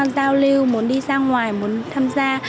giao lưu muốn đi ra ngoài muốn tham gia